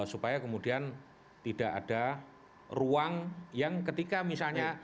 supaya kemudian tidak ada ruang yang ketika misalnya